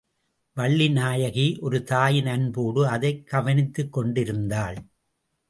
வள்ளிநாயகி ஒரு தாயின் அன்போடு அதைக் கவனித்துக்கொண்டிருந்தாள்.